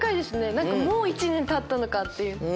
何かもう１年たったのかっていう。